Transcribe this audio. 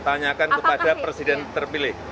tanyakan kepada presiden terpilih